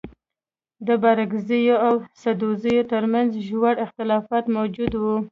د بارکزيو او سدوزيو تر منځ ژور اختلافات موجود وه.